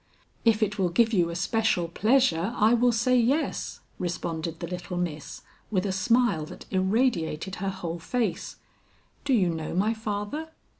"If it will give you especial pleasure I will say yes," responded the little miss with a smile that irradiated her whole face. "Do you know my father?"